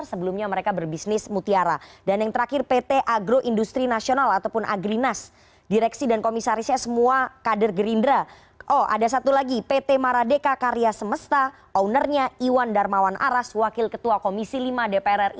sebenarnya ini soal political will kok